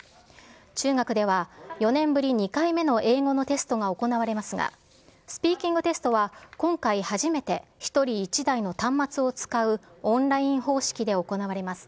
中学では、４年ぶり２回目の英語のテストが行われますが、スピーキングテストは、今回初めて１人１台の端末を使うオンライン方式で行われます。